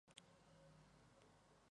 Fue dirigido por Adria Petty.